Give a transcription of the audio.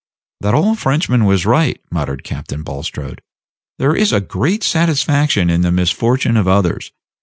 "That old Frenchman was right," muttered Captain Bulstrode; "there is a great satisfaction in the misfortunes of others.